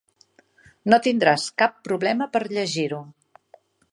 No tindràs cap problema per llegir-ho.